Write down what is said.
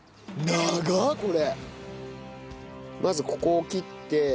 まずここを切って。